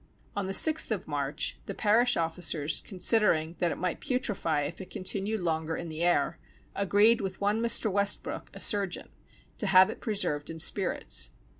On the sixth of March, the parish officers considering that it might putrify if it continued longer in the air, agreed with one Mr. Westbrook, a surgeon, to have it preserved in spirits.